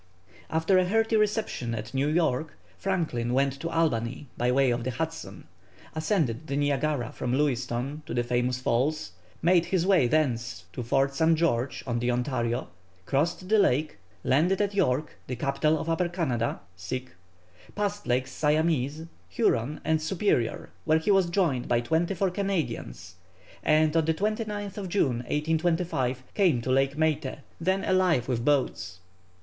After a hearty reception at New York, Franklin went to Albany, by way of the Hudson, ascended the Niagara from Lewiston to the famous Falls, made his way thence to Fort St. George on the Ontario, crossed the lake, landed at York, the capital of Upper Canada, passed Lakes Siamese, Huron, and Superior, where he was joined by twenty four Canadians, and on the 29th June, 1825, came to Lake Methye, then alive with boats.